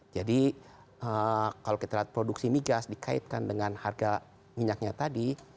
jadi kalau kita lihat produksi mi gas dikaitkan dengan harga minyaknya tadi